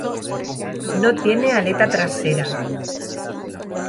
No tiene aleta trasera.